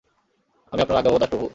আমি আপনার আজ্ঞাবহ দাস, প্রভু!